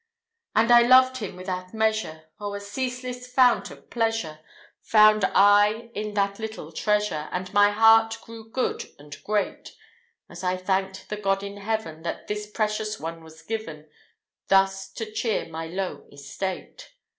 And I loved him without measure; O, a ceaseless fount of pleasure Found I in that little treasure! And my heart grew good and great, As I thanked the God of Heaven That this precious one was given Thus to cheer my low estate.